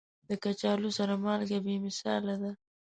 د کچالو سره مالګه بې مثاله ده.